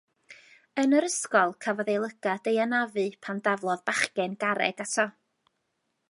Yn yr ysgol cafodd ei lygad ei anafu pan daflodd bachgen garreg ato.